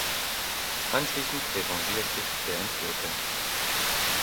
Anschließend revanchiert sich der Entführte.